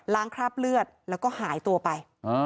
คราบเลือดแล้วก็หายตัวไป